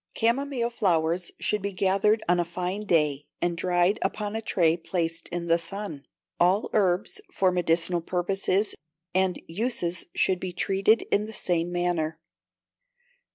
Camomile flowers should be gathered on a fine day, and dried upon a tray placed in the sun. All herbs for medicinal purposes and uses should be treated in the same manner.